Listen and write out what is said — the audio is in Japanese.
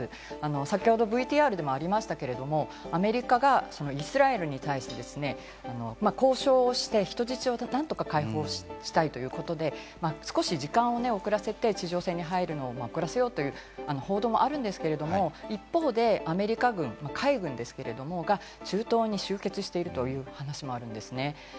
先ほどＶＴＲにもありましたけれども、アメリカがイスラエルに対して、交渉して人質を何とか解放したいということで、少し時間を遅らせて地上戦に入るのを遅らせようという報道もあるんですけれど、一方でアメリカ軍、海軍ですけれど、中東に集結しているという話もあるんですね。